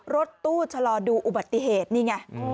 รถตู้ชะลอดูอุบัติเหตุนี่ไง